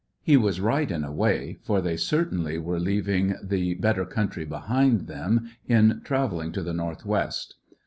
He was right in a way, for they certainly were leaving the better country behind them, in travelling to the north west.